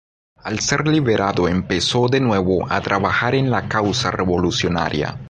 Al ser liberado empezó de nuevo a trabajar en la causa revolucionaria.